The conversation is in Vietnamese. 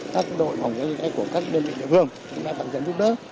các đội phòng cháy của các đơn vị địa phương cũng đã tập trận giúp đỡ